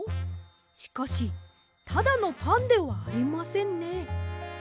しかしただのパンではありませんね。